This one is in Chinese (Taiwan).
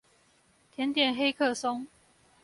甜點黑客松